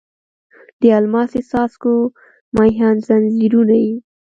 د الماسې څاڅکو مهین ځنځیرونه یې